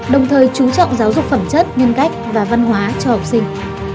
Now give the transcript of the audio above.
đồng thời chú trọng giáo dục phẩm chất nhân cách và văn hóa cho học sinh